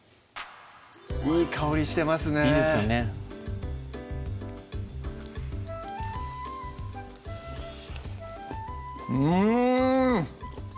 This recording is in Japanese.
いい香りしてますねいいですよねうん！